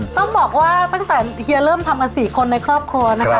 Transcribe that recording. ต้องบอกว่าตั้งแต่เฮียเริ่มทำกัน๔คนในครอบครัวนะคะ